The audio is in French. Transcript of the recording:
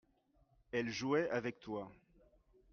elle jouait avec toi.